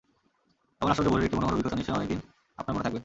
এমন আশ্চর্য ভোরের একটি মনোহর অভিজ্ঞতা নিশ্চয়ই অনেক দিন আপনার মনে থাকবে।